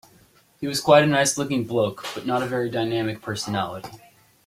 He was quite a nice looking bloke, but not a very dynamic personality.